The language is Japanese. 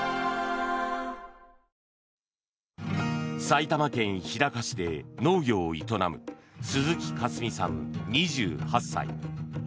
埼玉県日高市で農業を営む鈴木香純さん、２８歳。